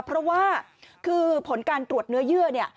เพราะว่าคือผลการตรวจเนื้อเยื่อเนี่ย